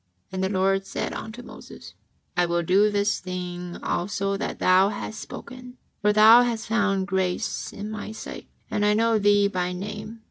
'' And the Lord said unto Moses: "I will do this thing also that thou hast spoken, for thou hast found grace in My sight, and I know thee by name.